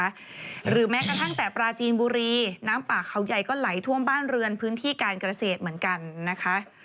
อำเภอแม่ค่ะตั้งแต่ปลาจีนบุรีน้ำป่าเขาใหญ่ก็ไหลท่วมบ้านเรือนผู้กระเศษเหมือนกันนะคะ